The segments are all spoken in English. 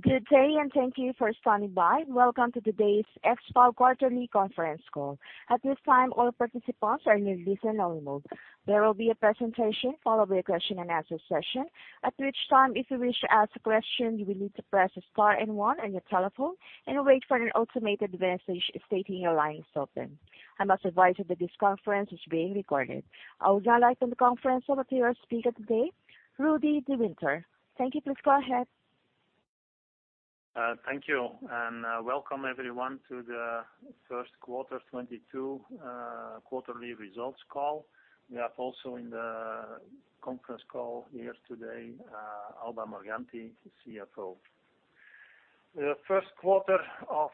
Good day, and thank you for standing by. Welcome to today's X-FAB quarterly conference call. At this time, all participants are in listen-only mode. There will be a presentation followed by a question-and-answer session. At which time, if you wish to ask a question, you will need to press star and one on your telephone and wait for an automated message stating your line is open. I must advise you that this conference is being recorded. I would now like to open the conference over to your speaker today, Rudi De Winter. Thank you. Please go ahead. Thank you, and welcome everyone to the first quarter 2022 quarterly results call. We have also in the conference call here today, Alba Morganti, CFO. The first quarter of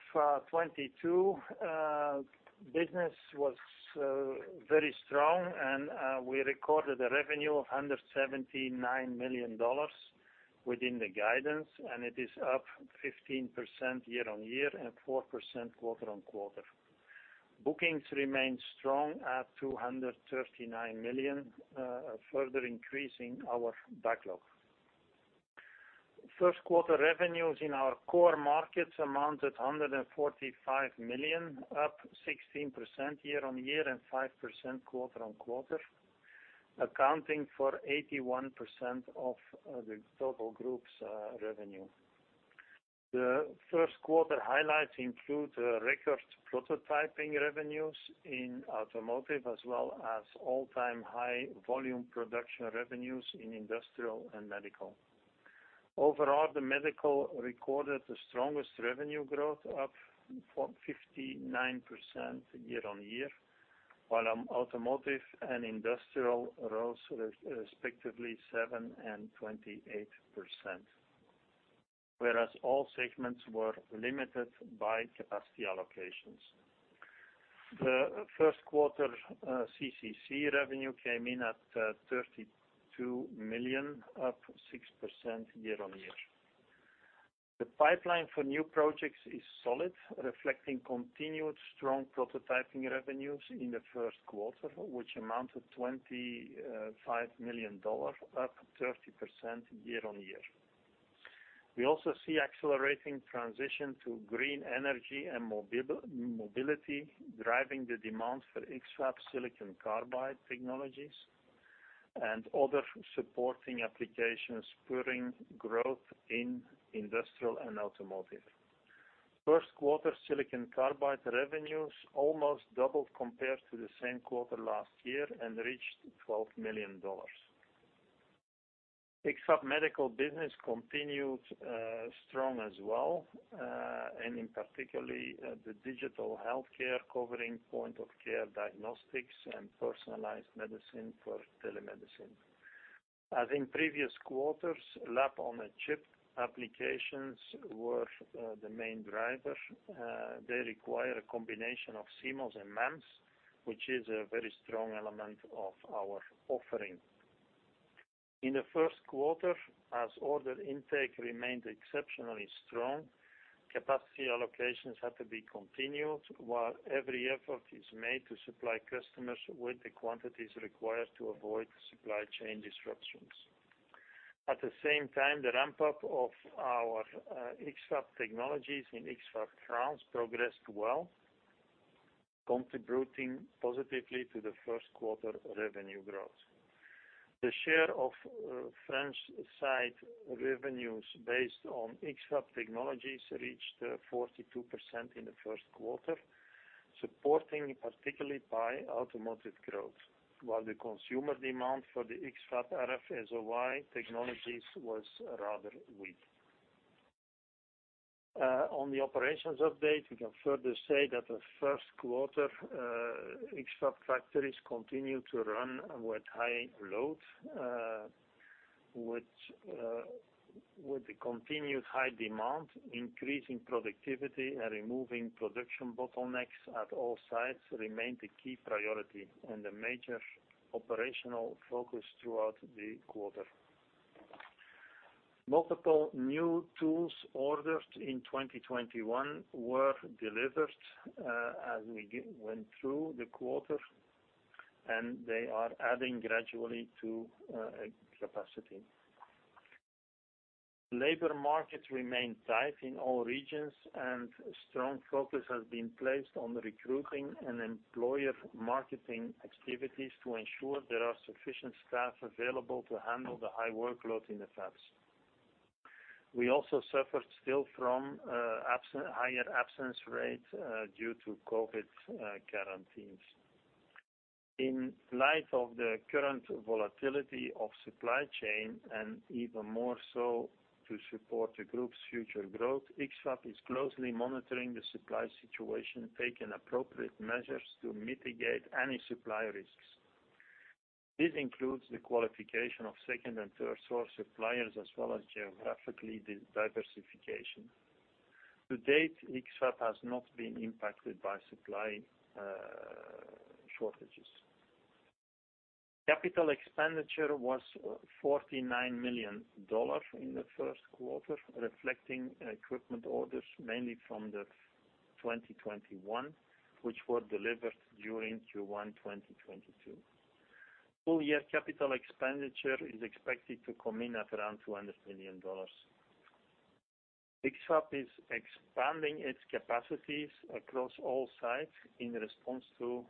2022 business was very strong, and we recorded a revenue of $179 million within the guidance, and it is up 15% year-on-year and 4% quarter-on-quarter. Bookings remained strong at $239 million, further increasing our backlog. First quarter revenues in our core markets amounted $145 million, up 16% year-on-year and 5% quarter-on-quarter, accounting for 81% of the total group's revenue. The first quarter highlights include record prototyping revenues in automotive as well as all-time high volume production revenues in industrial and medical. Overall, the medical recorded the strongest revenue growth, up 59% year-over-year. While the automotive and industrial rose respectively 7% and 28%, whereas all segments were limited by capacity allocations. The first quarter, CCC revenue came in at $32 million, up 6% year-over-year. The pipeline for new projects is solid, reflecting continued strong prototyping revenues in the first quarter, which amounted $25 million, up 30% year-over-year. We also see accelerating transition to green energy and mobility, driving the demand for X-FAB silicon carbide technologies and other supporting applications, spurring growth in industrial and automotive. First quarter silicon carbide revenues almost doubled compared to the same quarter last year and reached $12 million. X-FAB medical business continued strong as well, and in particular, the digital healthcare covering point of care diagnostics and personalized medicine for telemedicine. As in previous quarters, lab-on-a-chip applications were the main driver. They require a combination of CMOS and MEMS, which is a very strong element of our offering. In the first quarter, as order intake remained exceptionally strong, capacity allocations had to be continued while every effort is made to supply customers with the quantities required to avoid supply chain disruptions. At the same time, the ramp-up of our X-FAB technologies in X-FAB France progressed well, contributing positively to the first quarter revenue growth. The share of French site revenues based on X-FAB technologies reached 42% in the first quarter, supported in particular by automotive growth, while the consumer demand for the X-FAB RF-SOI technologies was rather weak. On the operations update, we can further say that the first quarter, X-FAB factories continued to run with high load, which, with the continued high demand, increasing productivity and removing production bottlenecks at all sites remained a key priority and a major operational focus throughout the quarter. Multiple new tools ordered in 2021 were delivered, as we went through the quarter, and they are adding gradually to capacity. Labor markets remain tight in all regions, and strong focus has been placed on recruiting and employer marketing activities to ensure there are sufficient staff available to handle the high workload in the fabs. We also suffered still from higher absence rates due to COVID quarantines. In light of the current volatility of supply chain, and even more so to support the group's future growth, X-FAB is closely monitoring the supply situation, taking appropriate measures to mitigate any supply risks. This includes the qualification of second and third-source suppliers as well as geographically diversification. To date, X-FAB has not been impacted by supply shortages. Capital expenditure was $49 million in the first quarter, reflecting equipment orders mainly from 2021, which were delivered during Q1 2022. Full year capital expenditure is expected to come in at around $200 million. X-FAB is expanding its capacities across all sites in response to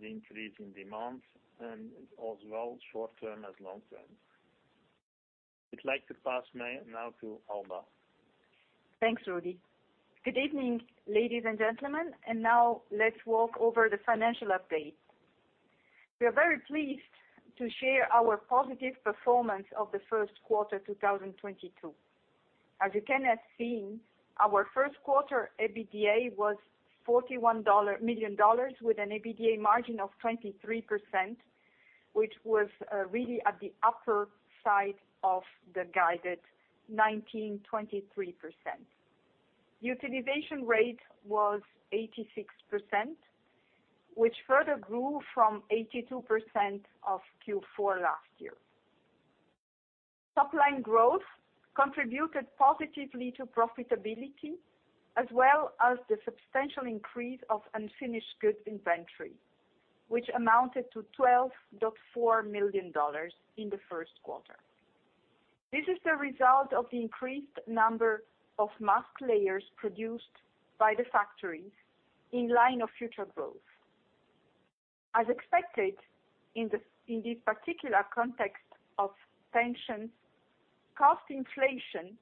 the increase in demand, and as well short-term as long-term. I'd like to pass now to Alba. Thanks, Rudi. Good evening, ladies and gentlemen, and now let's go over the financial update. We are very pleased to share our positive performance of the first quarter, 2022. As you can have seen, our first quarter EBITDA was $41 million with an EBITDA margin of 23%, which was really at the upper side of the guided 19%-23%. Utilization rate was 86%, which further grew from 82% of Q4 last year. Top line growth contributed positively to profitability, as well as the substantial increase of unfinished goods inventory, which amounted to $12.4 million in the first quarter. This is the result of the increased number of mask layers produced by the factories in line with future growth. As expected, in this particular context of tensions, cost inflation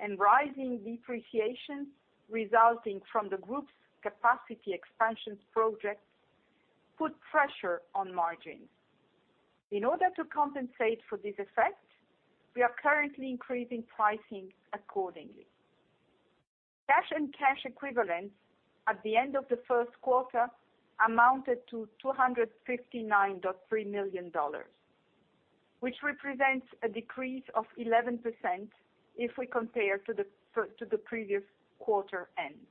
and rising depreciation resulting from the group's capacity expansions projects put pressure on margins. In order to compensate for this effect, we are currently increasing pricing accordingly. Cash and cash equivalents at the end of the first quarter amounted to $259.3 million, which represents a decrease of 11% if we compare to the previous quarter end.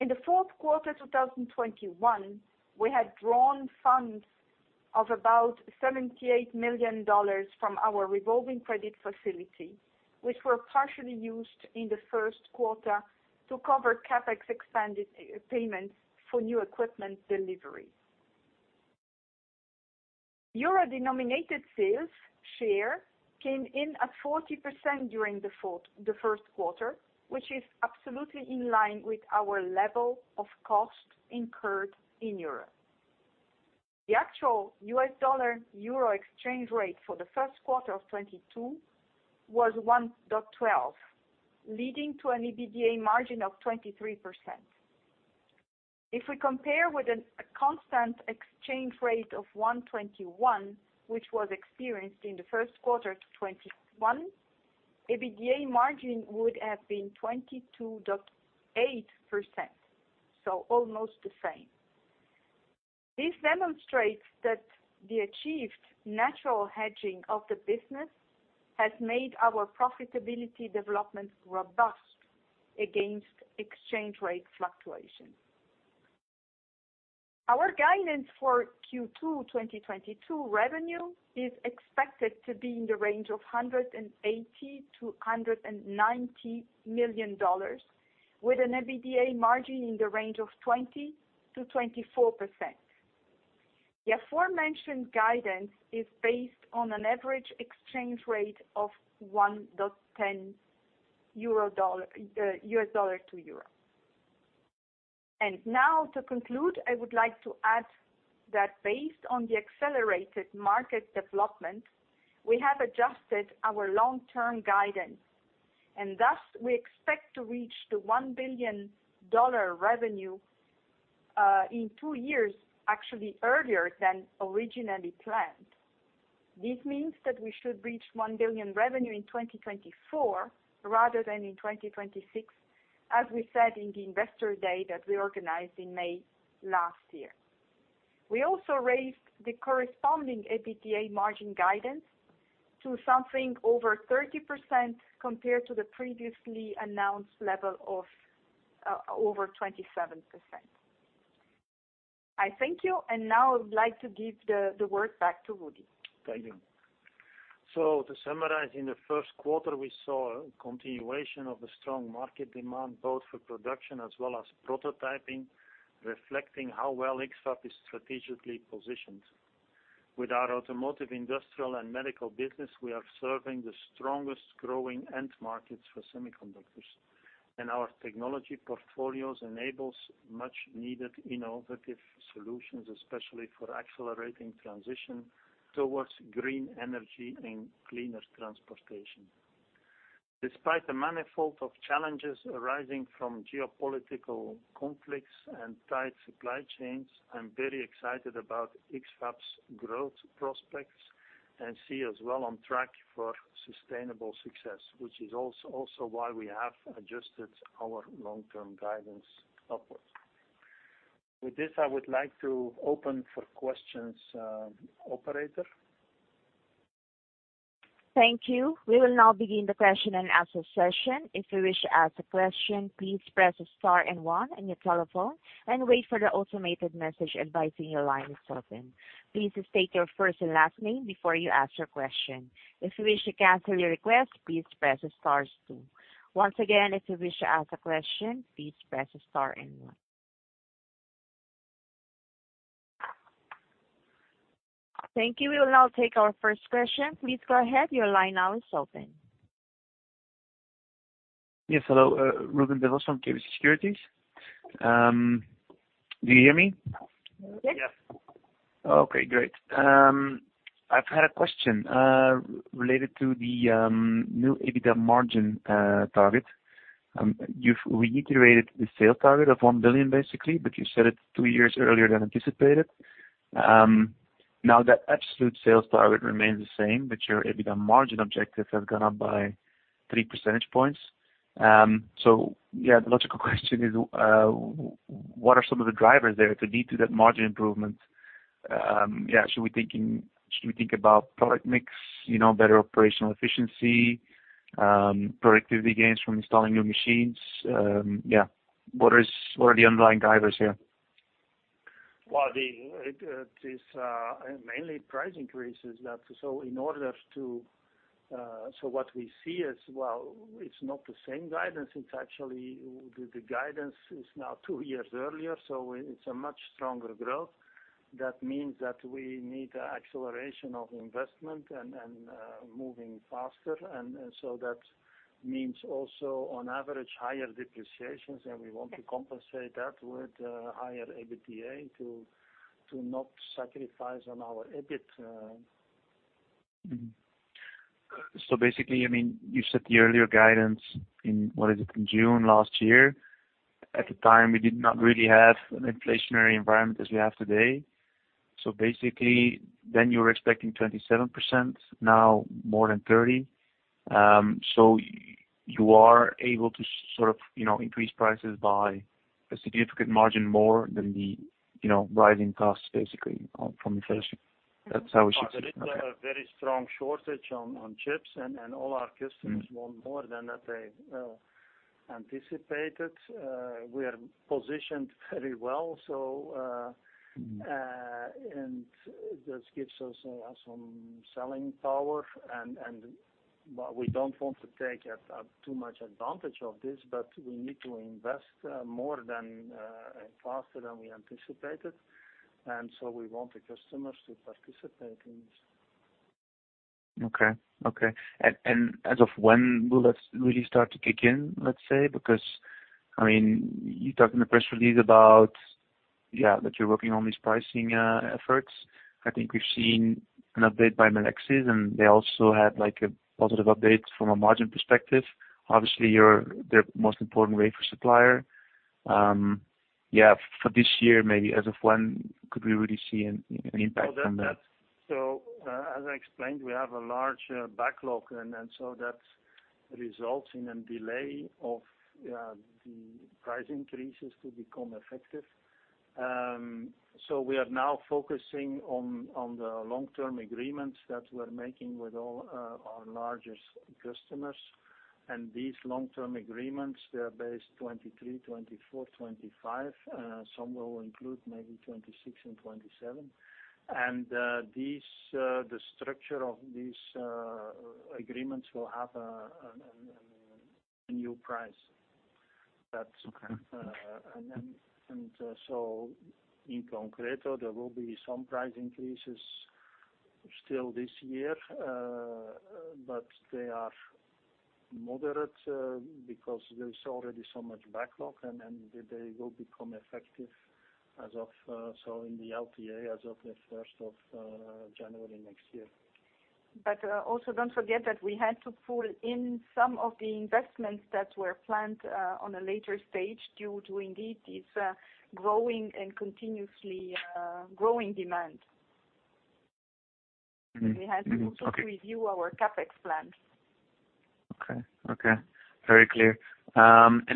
In the fourth quarter, 2021, we had drawn funds of about $78 million from our revolving credit facility, which were partially used in the first quarter to cover CapEx expansion payments for new equipment delivery. Euro-denominated sales share came in at 40% during the first quarter, which is absolutely in line with our level of cost incurred in euro. The actual US dollar, euro exchange rate for the first quarter of 2022 was 1.12, leading to an EBITDA margin of 23%. If we compare with a constant exchange rate of 1.21, which was experienced in the first quarter of 2021, EBITDA margin would have been 22.8%, so almost the same. This demonstrates that the achieved natural hedging of the business has made our profitability development robust against exchange rate fluctuations. Our guidance for Q2 2022 revenue is expected to be in the range of $180 million-$190 million, with an EBITDA margin in the range of 20%-24%. The aforementioned guidance is based on an average exchange rate of 1.10 US dollar to euro. Now to conclude, I would like to add that based on the accelerated market development, we have adjusted our long-term guidance. Thus, we expect to reach the $1 billion revenue in two years, actually earlier than originally planned. This means that we should reach $1 billion revenue in 2024 rather than in 2026, as we said in the investor day that we organized in May last year. We also raised the corresponding EBITDA margin guidance to something over 30% compared to the previously announced level of over 27%. I thank you, and now I would like to give the word back to Rudi. Thank you. To summarize, in the first quarter we saw a continuation of the strong market demand, both for production as well as prototyping, reflecting how well X-FAB is strategically positioned. With our automotive, industrial, and medical business, we are serving the strongest growing end markets for semiconductors, and our technology portfolios enables much needed innovative solutions, especially for accelerating transition towards green energy and cleaner transportation. Despite the manifold of challenges arising from geopolitical conflicts and tight supply chains, I'm very excited about X-FAB's growth prospects and see us well on track for sustainable success, which is also why we have adjusted our long-term guidance upwards. With this, I would like to open for questions, operator. Thank you. We will now begin the question and answer session. If you wish to ask a question, please press star and one on your telephone and wait for the automated message advising your line is open. Please state your first and last name before you ask your question. If you wish to cancel your request, please press star two. Once again, if you wish to ask a question, please press star and one. Thank you. We will now take our first question. Please go ahead. Your line now is open. Yes, hello. Ruben Devos from KBC Securities. Do you hear me? Yes. Okay, great. I've had a question related to the new EBITDA margin target. You've reiterated the sales target of $1 billion, basically, but you said it two years earlier than anticipated. Now that absolute sales target remains the same, but your EBITDA margin objectives have gone up by three percentage points. Yeah, the logical question is, what are some of the drivers there to lead to that margin improvement? Yeah, should we think about product mix, you know, better operational efficiency, productivity gains from installing new machines? Yeah, what are the underlying drivers here? Well, this mainly price increases that so in order to so what we see is. Well, it's not the same guidance. It's actually the guidance is now two years earlier, so it's a much stronger growth. That means that we need acceleration of investment and moving faster, and so that means also on average, higher depreciations. We want to compensate that with higher EBITDA to not sacrifice on our EBIT. Basically, I mean, you set the earlier guidance in, what is it, in June last year. At the time, we did not really have an inflationary environment as we have today. Basically, then you were expecting 27%, now more than 30. You are able to sort of, you know, increase prices by a significant margin more than the, you know, rising costs, basically, from inflation. That's how we should see it. Okay. There is a very strong shortage on chips and all our customers want more than they anticipated. We are positioned very well, and this gives us some selling power. But we don't want to take too much advantage of this, but we need to invest more than and faster than we anticipated. We want the customers to participate in this. Okay. As of when will that really start to kick in, let's say? Because, I mean, you talked in the press release about, yeah, that you're working on these pricing efforts. I think we've seen an update by Melexis, and they also had, like, a positive update from a margin perspective. Obviously, you're their most important wafer supplier. Yeah, for this year, maybe as of when could we really see an impact from that? As I explained, we have a large backlog and that results in a delay of the price increases to become effective. We are now focusing on the long-term agreements that we're making with all our largest customers. These long-term agreements, they are based 2023, 2024, 2025. Some will include maybe 2026 and 2027. These the structure of these agreements will have a new price. That's Okay. In concreto, there will be some price increases still this year, but they are moderate because there is already so much backlog and they will become effective as of so in the LTA as of the first of January next year. Also don't forget that we had to pull in some of the investments that were planned on a later stage due to indeed this growing and continuously growing demand. Mm-hmm. Okay. We had to also review our CapEx plans. Okay. Very clear.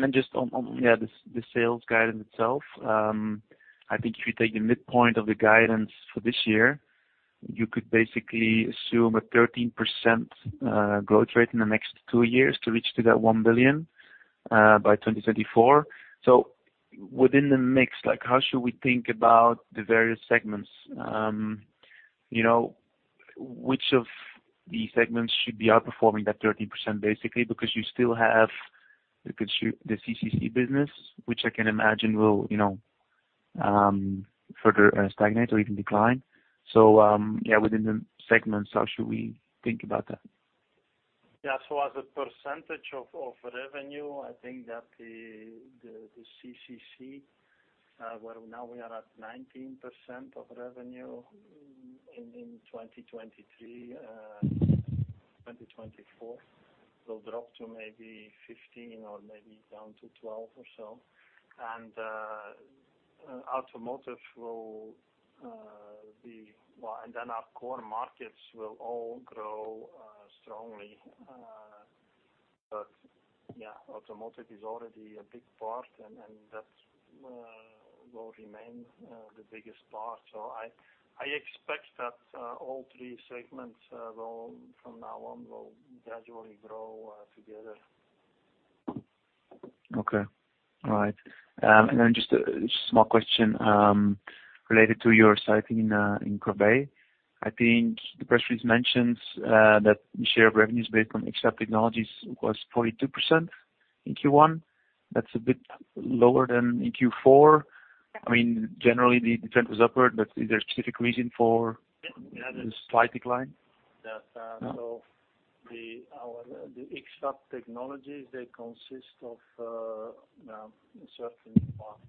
Just on the sales guidance itself, I think if you take the midpoint of the guidance for this year, you could basically assume a 13% growth rate in the next two years to reach to that 1 billion by 2024. Within the mix, like how should we think about the various segments? You know, which of the segments should be outperforming that 13% basically? Because you still have the CCC business, which I can imagine will, you know, further stagnate or even decline. Yeah, within the segments, how should we think about that? Yeah. As a percentage of revenue, I think that the CCC, where now we are at 19% of revenue in 2023, 2024 will drop to maybe 15 or maybe down to 12 or so. Automotive will be. Well, our core markets will all grow strongly. But yeah, automotive is already a big part and that will remain the biggest part. I expect that all three segments will from now on gradually grow together. Okay. All right. Just a small question related to your site in Corbeil. I think the press release mentions that the share of revenues based on X-FAB technologies was 42% in Q1. That's a bit lower than in Q4. I mean, generally, the trend was upward, but is there a specific reason for the slight decline? Yes. So our X-FAB technologies, they consist of, you know, a certain part.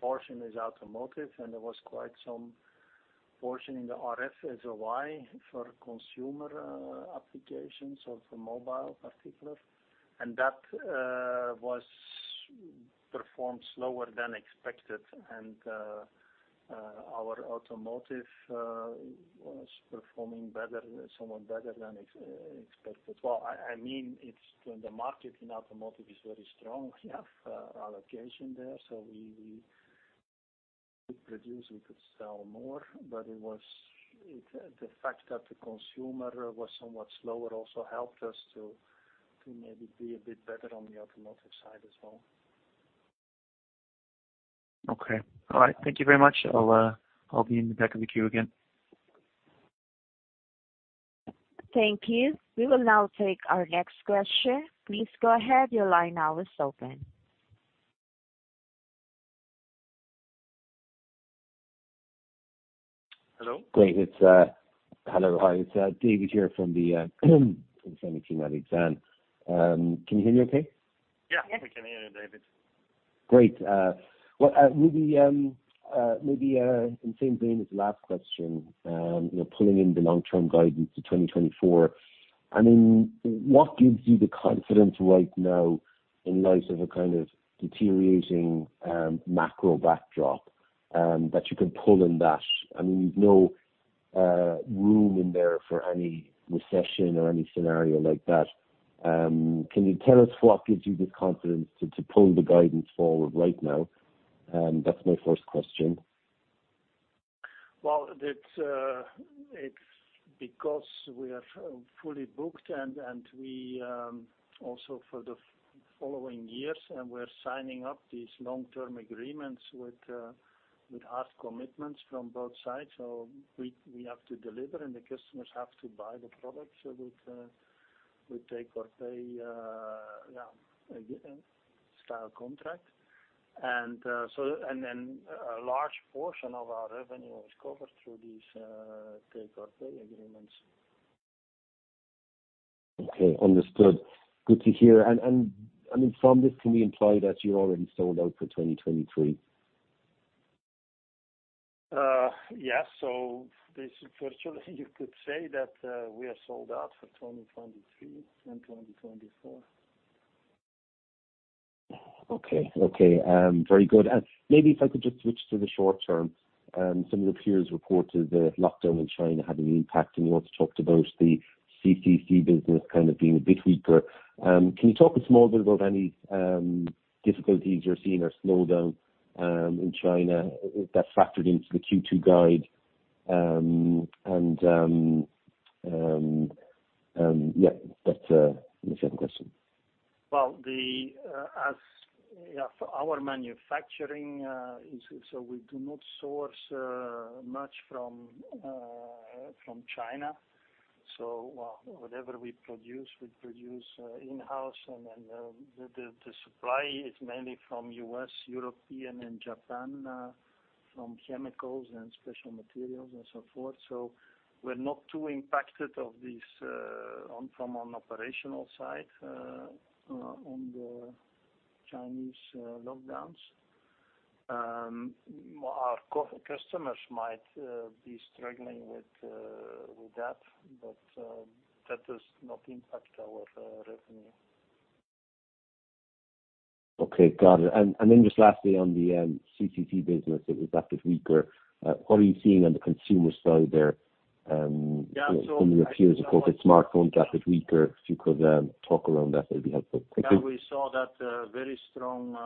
Portion is automotive, and there was quite some portion in the RF SOI for consumer applications or for mobile in particular. That was performed slower than expected. Our automotive was performing better, somewhat better than expected. Well, I mean, when the market in automotive is very strong, we have allocation there. We could produce, we could sell more, but the fact that the consumer was somewhat slower also helped us to maybe be a bit better on the automotive side as well. Okay. All right. Thank you very much. I'll be in the back of the queue again. Thank you. We will now take our next question. Please go ahead. Your line now is open. Hello? Hello. Hi. It's David O'Connor here from the team at Exane. Can you hear me okay? Yeah. We can hear you, David. Great. Well, maybe in same vein as the last question, you know, pulling in the long-term guidance to 2024, I mean, what gives you the confidence right now in light of a kind of deteriorating macro backdrop that you can pull in that? I mean, there's no room in there for any recession or any scenario like that. Can you tell us what gives you the confidence to pull the guidance forward right now? That's my first question. Well, it's because we are fully booked and we also for the following years, and we're signing up these long-term agreements with hard commitments from both sides. We have to deliver, and the customers have to buy the product. We take or pay style contract. A large portion of our revenue is covered through these take or pay agreements. Okay. Understood. Good to hear. I mean, from this, can we imply that you're already sold out for 2023? Yes. Virtually you could say that we are sold out for 2023 and 2024. Okay. Very good. Maybe if I could just switch to the short term. Some of the peers reported the lockdown in China had an impact, and you also talked about the CCC business kind of being a bit weaker. Can you talk a small bit about any difficulties you're seeing or slowdown in China that factored into the Q2 guide? Yeah, that's my second question. Well, for our manufacturing, we do not source much from China. Whatever we produce, we produce in-house. The supply is mainly from U.S., Europe and Japan, from chemicals and special materials and so forth. We're not too impacted of this from an operational side on the Chinese lockdowns. Our customers might be struggling with that, but that does not impact our revenue. Okay. Got it. Then just lastly on the CCC business, it was a bit weaker. What are you seeing on the consumer side there? Yeah. Some of your peers have called it smartphones a bit weaker. If you could, talk around that'd be helpful. Thank you. Yeah. We saw that, very strong,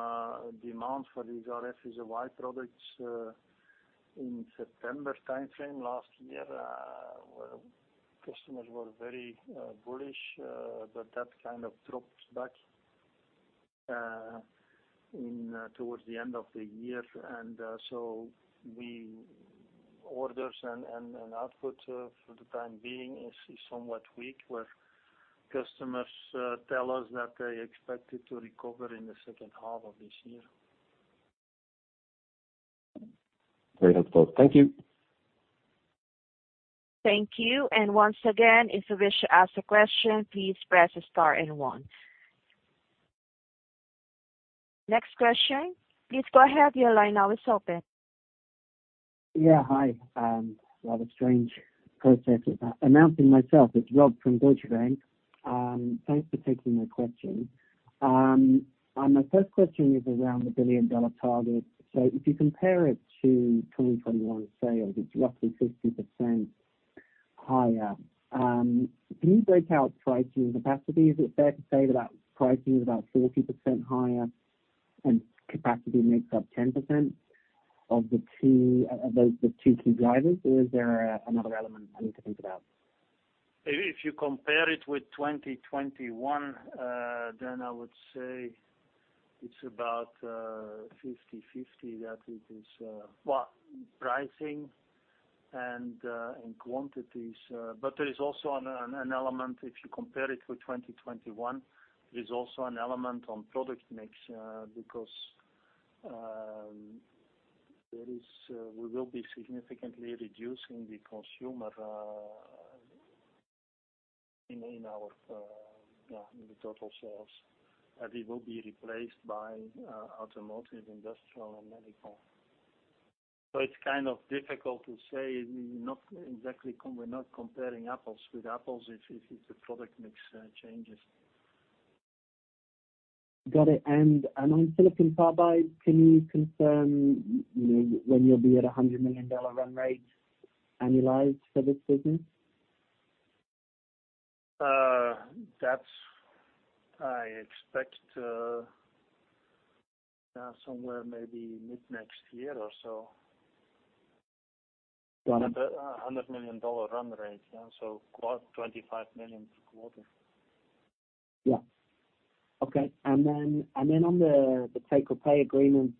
demand for these RF SOI products, in September timeframe last year. Well, customers were very, bullish, but that kind of dropped back, in towards the end of the year. The orders and output, for the time being is somewhat weak, where customers tell us that they expect it to recover in the second half of this year. Very helpful. Thank you. Thank you. Once again, if you wish to ask a question, please press star and one. Next question. Please go ahead. Your line now is open. Yeah. Hi. What a strange process. Announcing myself, it's Rob from Deutsche Bank. Thanks for taking my question. My first question is around the billion-dollar target. If you compare it to 2021 sales, it's roughly 50% higher. Can you break out pricing capacity? Is it fair to say that pricing is about 40% higher and capacity makes up 10% of the two key drivers, or is there another element I need to think about? Maybe if you compare it with 2021, then I would say it's about 50/50, that it is well pricing and in quantities. There is also an element if you compare it with 2021. There's also an element on product mix because we will be significantly reducing the consumer in our total sales, and it will be replaced by automotive, industrial and medical. It's kind of difficult to say. Not exactly comparing apples with apples if the product mix changes. Got it. On silicon carbide, can you confirm, you know, when you'll be at a $100 million run rate annualized for this business? That I expect somewhere maybe mid-next year or so. Got it. $100 million run rate, yeah. $25 million per quarter. On the take-or-pay agreements,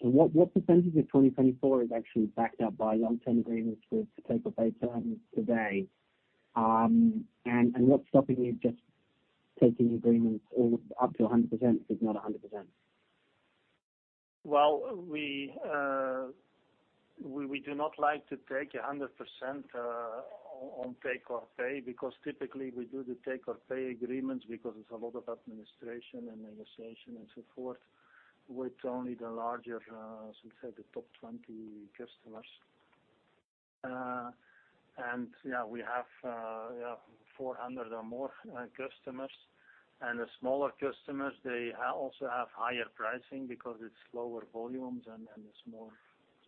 what percentage of 2024 is actually backed up by long-term agreements with take-or-pay terms today? What's stopping you just taking agreements all up to 100% if not 100%? We do not like to take 100% on take-or-pay, because typically we do the take-or-pay agreements because it's a lot of administration and negotiation and so forth, with only the larger, so say the top 20 customers. We have 400 or more customers. The smaller customers also have higher pricing because it's lower volumes and it's more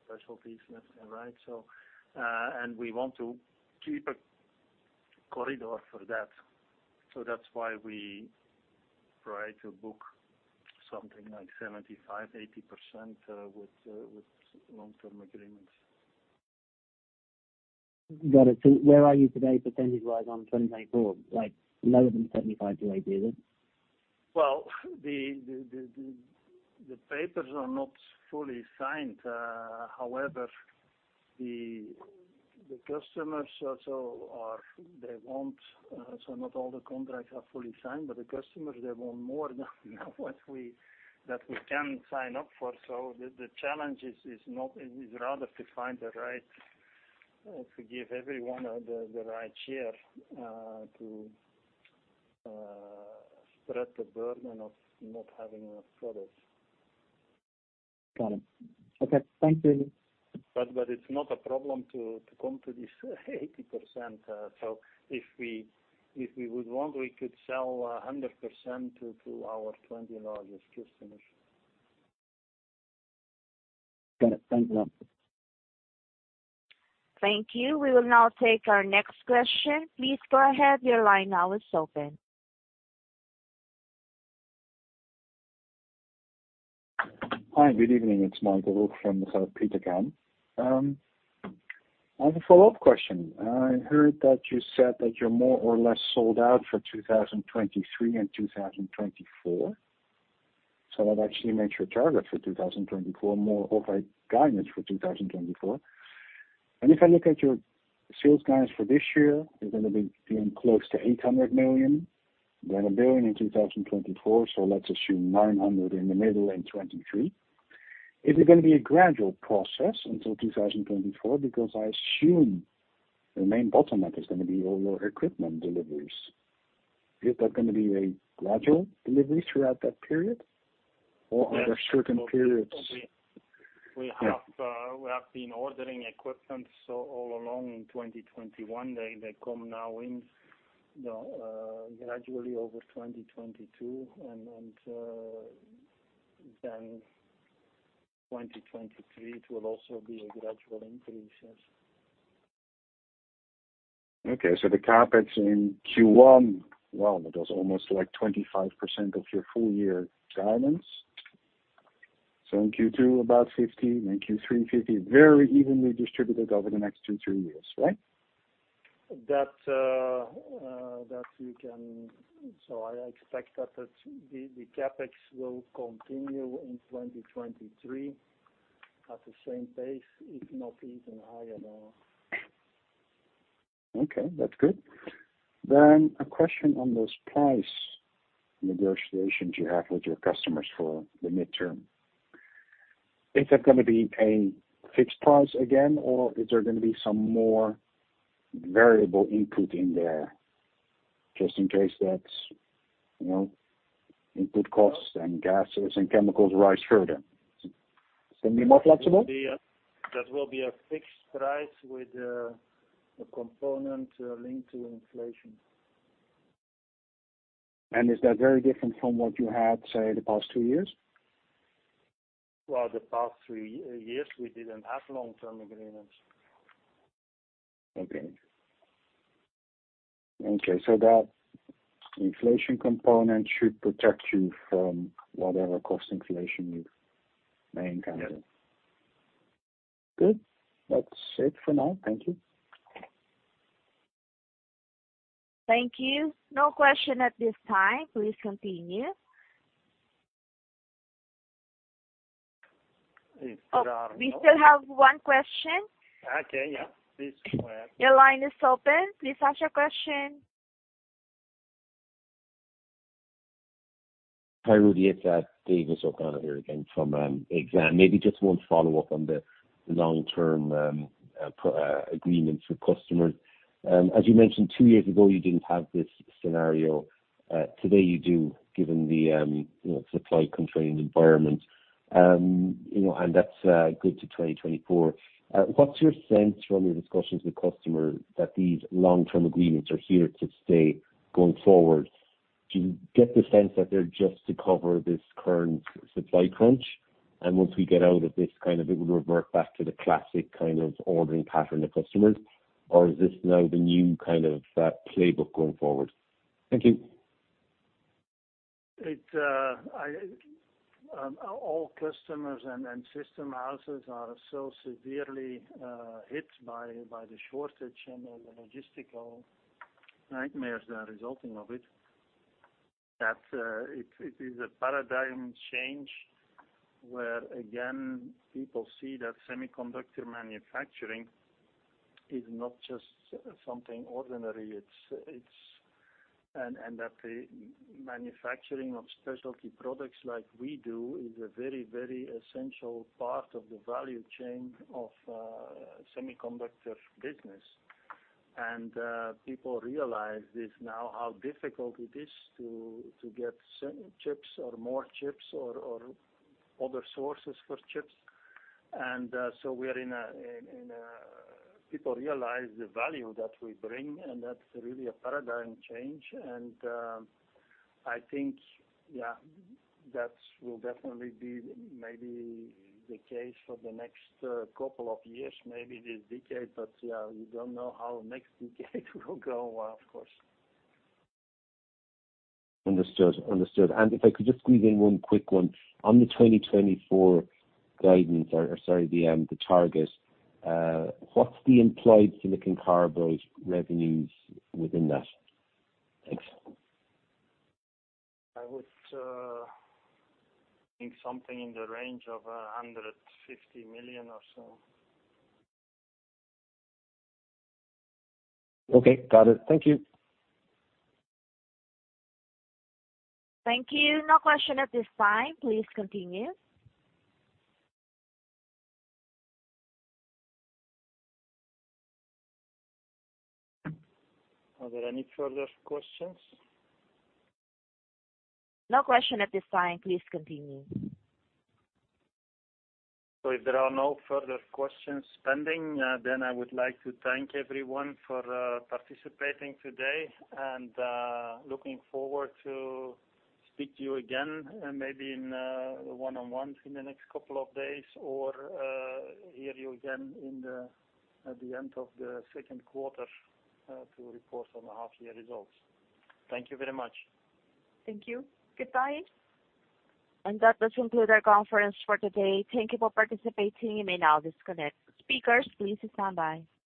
specialties necessary, right? We want to keep a corridor for that. That's why we try to book something like 75%-80% with long-term agreements. Got it. Where are you today percentage wise on 2024? Like lower than 75%-80%, is it? Well, the papers are not fully signed. However, the customers also are. They want. Not all the contracts are fully signed, but the customers they want more than what we can sign up for. The challenge is rather to find the right to give everyone the right share to spread the burden of not having enough products. Got it. Okay. Thank you. It's not a problem to come to this 80%. If we would want, we could sell 100% to our 20 largest customers. Got it. Thank you. Thank you. We will now take our next question. Please go ahead. Your line now is open. Hi, good evening. It's Michael Roeg. Well, the past three years we didn't have long-term agreements. Okay. That inflation component should protect you from whatever cost inflation you may encounter. Yeah. Good. That's it for now. Thank you. Thank you. No question at this time. Please continue. If there are no. Oh, we still have one question. Okay. Yeah. Please go ahead. Your line is open. Please ask your question. Hi, Rudi. It's David O'Connor here again from Exane. Maybe just one follow-up on the long-term agreements with customers. As you mentioned two years ago, you didn't have this scenario. Today you do, given the, you know, supply-constrained environment. You know, and that's good to 2024. What's your sense from your discussions with customers that these long-term agreements are here to stay going forward? Do you get the sense that they're just to cover this current supply crunch, and once we get out of this kind of it would revert back to the classic kind of ordering pattern of customers? Or is this now the new kind of playbook going forward? Thank you. All customers and system houses are so severely hit by the shortage and the logistical nightmares that are resulting from it, that it is a paradigm change, where again, people see that semiconductor manufacturing is not just something ordinary. The manufacturing of specialty products like we do is a very essential part of the value chain of semiconductor business. People realize this now, how difficult it is to get chips or more chips or other sources for chips. So we are in a paradigm change. People realize the value that we bring, and that's really a paradigm change. I think that will definitely be maybe the case for the next couple of years, maybe this decade. Yeah, we don't know how next decade will go, of course. Understood. If I could just squeeze in one quick one. On the 2024 guidance or the target, what's the implied silicon carbide revenues within that? Thanks. I would think something in the range of $150 million or so. Okay. Got it. Thank you. Thank you. No question at this time. Please continue. Are there any further questions? No question at this time. Please continue. If there are no further questions pending, then I would like to thank everyone for participating today, and looking forward to speak to you again, maybe in one-on-one in the next couple of days or hear you again in the end of the second quarter to report on the half year results. Thank you very much. Thank you. Goodbye. That does conclude our conference for today. Thank you for participating. You may now disconnect. Speakers, please stand by.